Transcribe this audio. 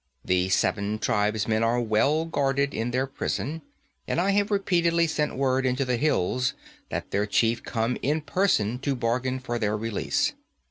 The seven tribesmen are well guarded in their prison, and I have repeatedly sent word into the hills that their chief come in person to bargain for their release.